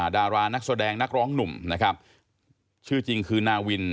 ดารานักแสดงนักร้องหนุ่มนะครับชื่อจริงคือนาวิน